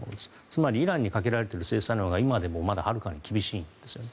つまりイランにかけられている制裁のほうが今でもまだはるかに厳しいんですね。